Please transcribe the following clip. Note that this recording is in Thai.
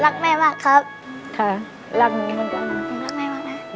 รักแม่มากครับ